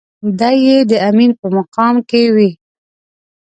دی يې د امين په مقام کې وي.